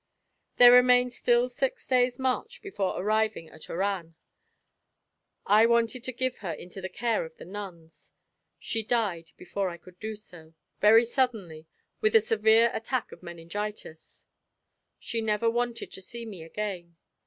"There remained still six days' march before arriving at Oran. I wanted to give her into the care of the nuns. She died before I could do so, very suddenly, with a severe attack of meningitis. She never wanted to see me again.